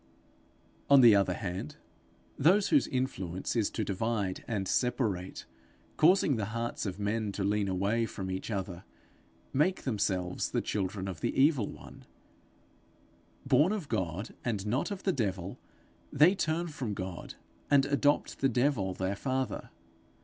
On the other hand, those whose influence is to divide and separate, causing the hearts of men to lean away from each other, make themselves the children of the evil one: born of God and not of the devil, they turn from God, and adopt the devil their father.